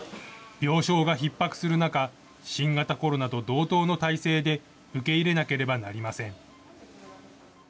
病床がひっ迫する中、新型コロナと同等の体制で、受け入れなければなりません。